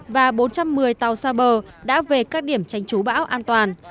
và bốn trăm một mươi tàu xa bờ đã về các điểm tránh chú bão an toàn